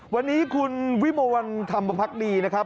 วันนี้คุณวิมวลวันธรรมภักดีนะครับ